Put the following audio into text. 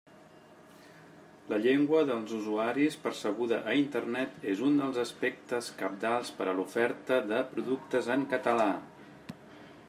La llengua dels usuaris percebuda a Internet és un dels aspectes cabdals per a l'oferta de productes en català.